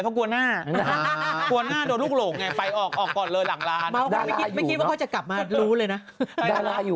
อยู่ด้วยกันหมดเลย